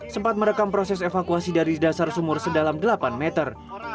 sempat merekam proses evakuasi dari dasar sumur sedalam delapan meter